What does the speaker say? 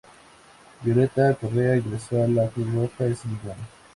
Violeta Correa ingresó a la Cruz Roja ese mismo año.